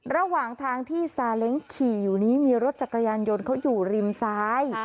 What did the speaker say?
ระหว่างทางที่ซาเล้งขี่อยู่นี้มีรถจักรยานยนต์เขาอยู่ริมซ้าย